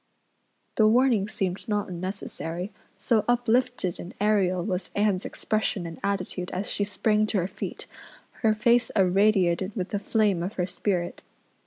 The warning seemed not unnecessary, so uplifted and aerial was Anne's expression and attitude as she sprang to her feet, her face irradiated with the flame of her spirit.